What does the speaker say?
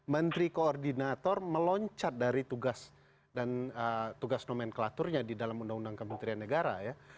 menteri koordinator meloncat dari tugas dan tugas nomenklaturnya di dalam undang undang kementerian negara ya